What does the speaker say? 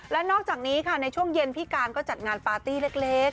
และนอกจากนี้ค่ะในช่วงเย็นพี่การก็จัดงานปาร์ตี้เล็ก